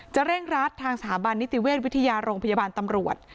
เร่งรัดทางสถาบันนิติเวชวิทยาโรงพยาบาลตำรวจ